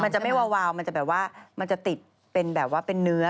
มันจะไม่วาวมันจะแบบว่ามันจะติดเป็นแบบว่าเป็นเนื้อ